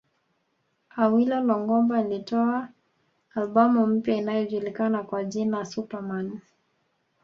Awilo Longomba alitoa albamu mpya iliyojulikana kwa jina Super Man